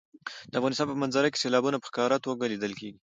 د افغانستان په منظره کې سیلابونه په ښکاره توګه لیدل کېږي.